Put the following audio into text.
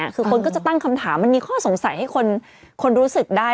คือคนก็จะตั้งคำถามมันมีข้อสงสัยให้คนรู้สึกได้